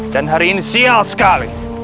dan hari ini sial sekali